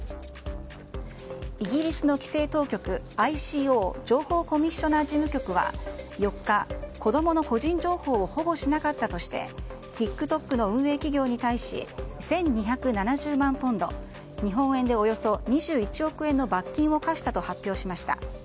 イギリスの規制当局、ＩＣＯ・情報コミッショナー事務局は４日、子供の個人情報を保護しなかったとしてＴｉｋＴｏｋの運営企業に対し１２７０万ポンド日本円でおよそ２１億円の罰金を科したと発表しました。